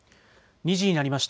２時になりました。